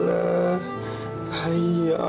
allah akbar allah akbar